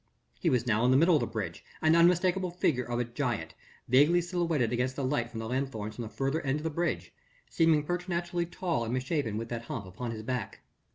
He was now in the middle of the bridge an unmistakable figure of a giant vaguely silhouetted against the light from the lanthorns on the further end of the bridge seeming preternaturally tall and misshapen with that hump upon his back.